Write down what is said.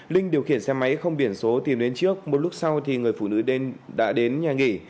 linh điều khiển xe máy không biển số tìm đến trước một lúc sau thì người phụ nữ đã đến nhà nghỉ